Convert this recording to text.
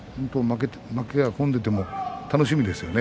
負けが込んでても楽しみですよね